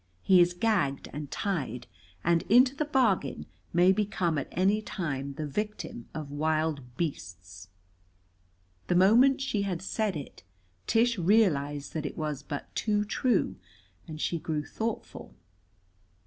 He is gagged and tied, and into the bargain may become at any time the victim of wild beasts." The moment she had said it, Tish realized that it was but too true, and she grew thoughtful.